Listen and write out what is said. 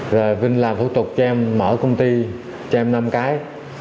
rồi vinh làm thủ tục cho em mở công ty cho em năm cái